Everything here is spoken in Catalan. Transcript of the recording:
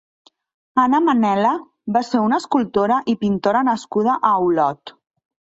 Anna Manel·la va ser una escultora i pintora nascuda a Olot.